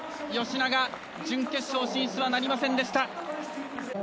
吉永、準決勝進出はなりませんでした。